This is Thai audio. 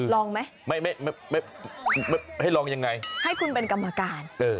ลองไหมไม่ให้ลองยังไงให้คุณเป็นกรรมการ